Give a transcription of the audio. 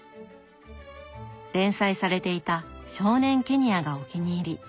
連載されていた「少年ケニヤ」がお気に入り。